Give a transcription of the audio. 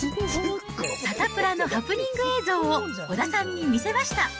サタプラのハプニング映像を小田さんに見せました。